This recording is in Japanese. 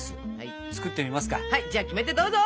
はいじゃあキメテどうぞ！